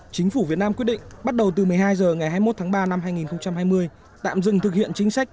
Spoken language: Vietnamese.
chính phủ việt nam quyết định bắt đầu từ một mươi hai h ngày hai mươi một tháng ba năm hai nghìn hai mươi tạm dừng thực hiện chính sách